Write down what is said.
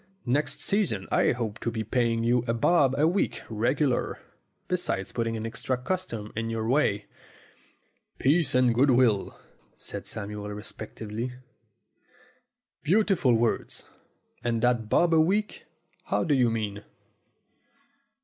Next season I hope to be paying you a bob a week regular, besides putting extra custom in your way." "Peace and good will," said Samuel reflectively. "Beautiful words! And that bob a week? How do you mean?"